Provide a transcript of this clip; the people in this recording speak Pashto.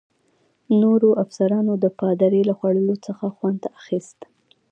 نورو افسرانو د پادري له ځورولو څخه خوند اخیست.